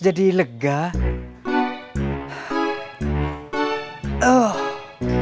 kok bisanya orang tua automatik coronavirus di deshalbin